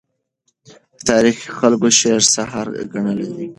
تاریخي خلکو شعر سحر ګڼلی دی.